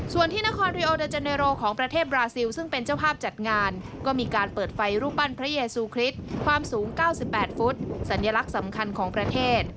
ส่วนที่นครริโอเดอร์เจเนโรของประเทศบราซิลซึ่งเป็นเจ้าภาพจัดงานก็มีการเปิดไฟรูปปั้นพระเยซูคริสต์ความสูง๙๘ฟุตสัญลักษณ์สำคัญของประเทศ